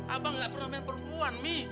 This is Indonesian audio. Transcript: abang nggak pernah main perempuan mi